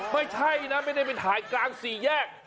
ไม่ใช่นะไม่ได้ไปถ่ายกลางสี่แยก